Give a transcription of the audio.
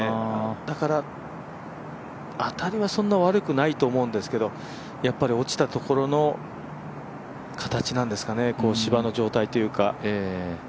だから当たりはそんな悪くないと思うんですけどやっぱり落ちたところの形なんでしょうかね、芝の状態というか。